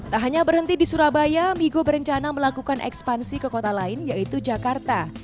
tak hanya berhenti di surabaya migo berencana melakukan ekspansi ke kota lain yaitu jakarta